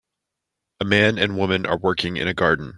A man and woman are working in a garden.